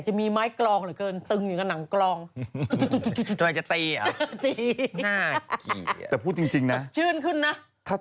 จริงทำแล้วดีที่ต้องทำไป